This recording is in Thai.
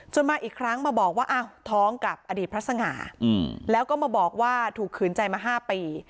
มาอีกครั้งมาบอกว่าอ้าวท้องกับอดีตพระสง่าแล้วก็มาบอกว่าถูกขืนใจมา๕ปี